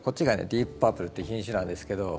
ディープパープルって品種なんですけど。